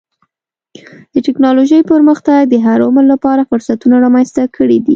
د ټکنالوجۍ پرمختګ د هر عمر لپاره فرصتونه رامنځته کړي دي.